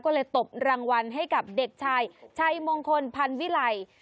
ก็เลยตบรางวัลให้กับเด็กชายชัยมงคลพันวิไล